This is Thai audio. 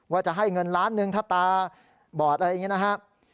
ว่าจะให้เงิน๑ล้านถ้าตาบอดอะไรอย่างนี้นะฮะ